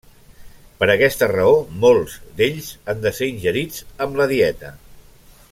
Per aquesta raó molts d'ells han de ser ingerits amb la dieta.